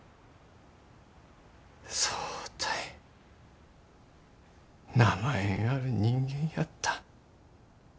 そうたい名前がある人間やった。